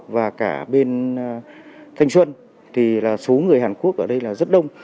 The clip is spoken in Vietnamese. và cả bên thanh xuân thì là số người hàn quốc ở đây là rất đông